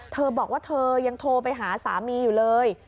เธอบอกว่าเธอยังโทรไปหาสามีอยู่เลย